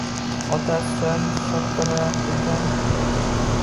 Otasi choyini shopirar ekan.